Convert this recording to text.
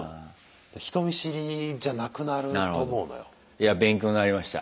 いや勉強になりました。